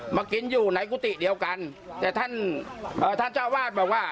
มากินอยู่ในกุฏิเดียวกันแต่ท่านเอ่อท่านเจ้าวาดบอกว่า